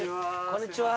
こんにちは